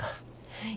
はい。